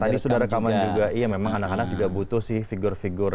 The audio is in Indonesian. tadi sudah rekaman juga iya memang anak anak juga butuh sih figur figur